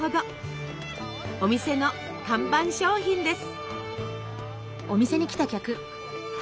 お店の看板商品です。